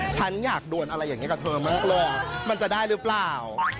ฉันอยากด่วนอะไรอย่างนี้กับเธอมากเลยมันจะได้หรือเปล่า